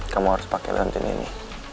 kamu harus pake leontin ini